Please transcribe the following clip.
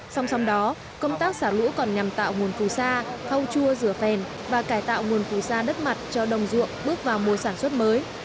xong xong đó công tác xả lũ còn nhằm tạo nguồn phù sa thâu chua rửa phèn và cải tạo nguồn phù sa đất mặt cho đồng ruộng bước vào môi sản xuất mới